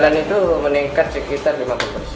peningkatan itu meningkat sekitar lima ratus persen